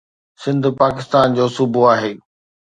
سنڌ پاڪستان جو صوبو آهي.